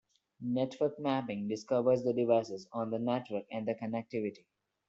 Network mapping discovers the devices on the network and their connectivity.